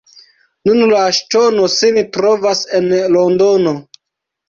Nun la ŝtono sin trovas en Londono.